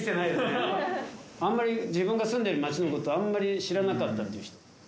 あんまり自分が住んでる街のことあんまり知らなかったって人。